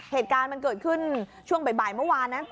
เหตุการณ์มันเกิดขึ้นช่วงบ่ายเมื่อวานนะ